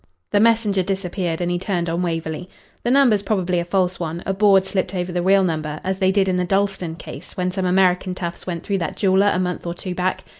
The messenger disappeared, and he turned on Waverley. "The number's probably a false one a board slipped over the real number, as they did in the Dalston case when some American toughs went through that jeweller a month or two back.